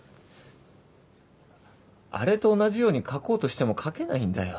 あれと同じように書こうとしても書けないんだよ。